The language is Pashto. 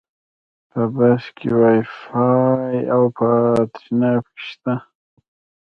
په بس کې وایفای، اوبه او تشناب شته.